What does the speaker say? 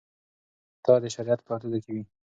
د ښځې اطاعت د شریعت په حدودو کې وي.